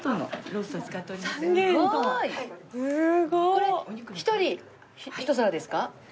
これ一人ひと皿ですか？